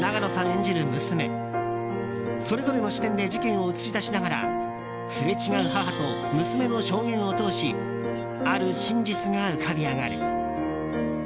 演じる娘それぞれの視点で事件を映し出しながらすれ違う母と娘の証言を通しある真実が浮かび上がる。